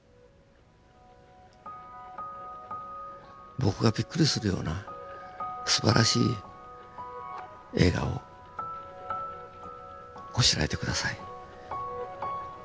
僕がびっくりするようなすばらしい映画をこしらえて下さい。